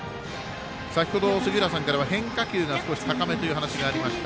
先ほど、杉浦さんからは変化球少し高めという話がありました。